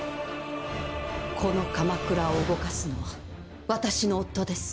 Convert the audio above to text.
この鎌倉を動かすのは私の夫です。